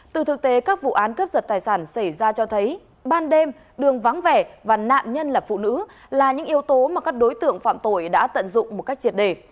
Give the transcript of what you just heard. từ thực tế các vụ án cướp giật tài sản xảy ra cho thấy ban đêm đường vắng vẻ và nạn nhân là phụ nữ là những yếu tố mà các đối tượng phạm tội đã tận dụng một cách triệt đề